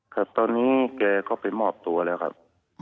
ครับตอนนี้แกก็ไปมอบตัวแล้วครับ